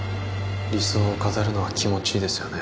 理想を語るのは気持ちいいですよね